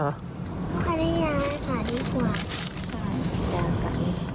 ขออนุญาตนะคะดีกว่า